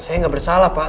saya gak bersalah pak